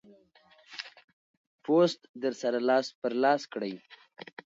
پوسټ در سره لاس پر لاس کړئ.